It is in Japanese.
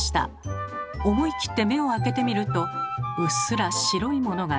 思い切って目を開けてみるとうっすら白いものが見えました。